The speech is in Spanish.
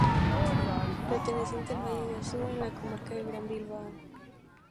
Perteneciente al Valle de Asúa, en la comarca del Gran Bilbao.